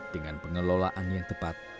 dengan pengelolaan yang tepat